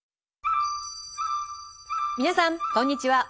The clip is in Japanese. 皆さんこんにちは。